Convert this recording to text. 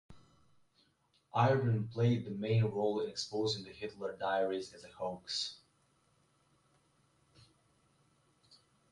Irving played the main role in exposing the Hitler Diaries as a hoax.